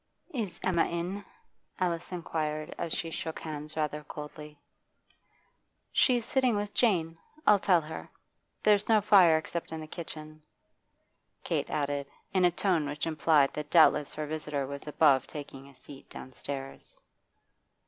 'Is Emma in?' Alice inquired as she shook hands rather coldly. 'She's sitting with Jane. I'll tell her. There's no fire except in the kitchen,' Kate added, in a tone which implied that doubtless her visitor was above taking a seat downstairs.